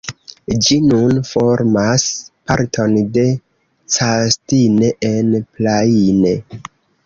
Ĝi nun formas parton de Castine-en-Plaine.